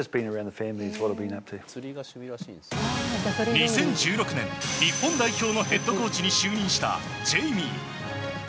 ２０１６年、日本代表のヘッドコーチに就任したジェイミー。